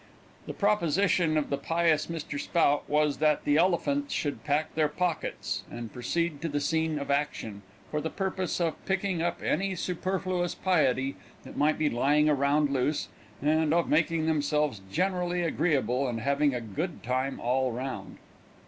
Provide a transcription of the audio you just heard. The proposition of the pious Mr. Spout was that the Elephants should pack their pockets, and proceed to the scene of action, for the purpose of picking up any superfluous piety that might be lying around loose, and of making themselves generally agreeable, and having a good time all round.